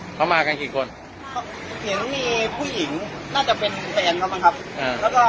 หรอเขามากันกี่คนเห็นมีผู้หญิงน่าจะเป็นแฟนครับมั้งครับ